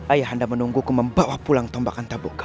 ayah anda menungguku membawa pulang tombak antabuka